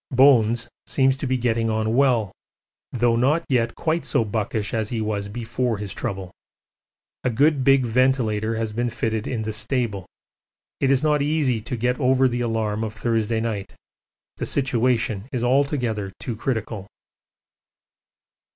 'Bones' seems to be getting on well, though not yet quite so buckish as he was before his trouble. A good big ventilator has been fitted in the stable. It is not easy to get over the alarm of Thursday night the situation is altogether too critical.